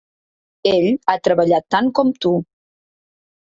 Ell ha treballat tant com tu.